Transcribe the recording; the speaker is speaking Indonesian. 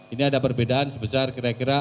ini ada perbedaan sebesar kira kira